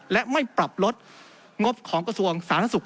และไม่ปรับลดงบของกระทรวงสาธารณสุข